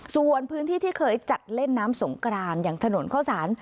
ส่วนพื้นที่ที่เคยจัดเล่นน้ำสงกรานอย่างถนนเข้าสาร